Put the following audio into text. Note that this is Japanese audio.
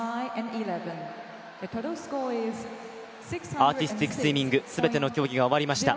アーティスティックスイミング全ての競技が終わりました。